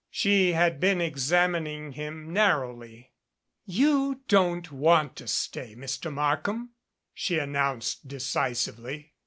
She had been examining him narrowly. "You don't want to stay, Mr. Markham," she an nounced, decisively.